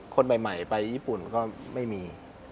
คนใหม่ไปญี่ปุ่นก็ไม่มี